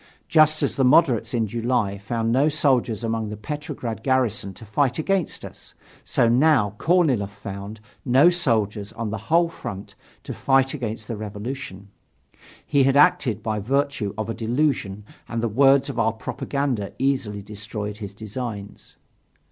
Just as the moderates in July found no soldiers among the Petrograd garrison to fight against us, so now Korniloff found no soldiers on the whole front to fight against the revolution. He had acted by virtue of a delusion and the words of our propaganda easily destroyed his designs.